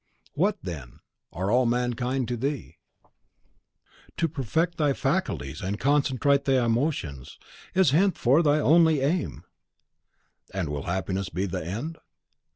What, then, are all mankind to thee? To perfect thy faculties, and concentrate thy emotions, is henceforth thy only aim!" "And will happiness be the end?"